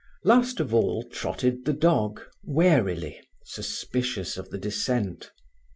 Last of all trotted the dog, warily, suspicious of the descent.